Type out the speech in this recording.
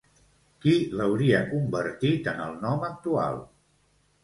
Qui l'hauria convertit en el nom actual?